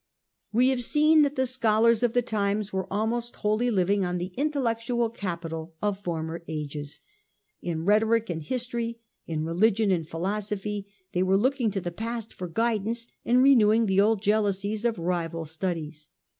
We have seen that the scholars of the times were almost wholly living on the intellectual capital of former ages ; in rhetoric and history, in religion and philosophy, they were looking to the past for guidance, and renewing the old jealousies of rival studies.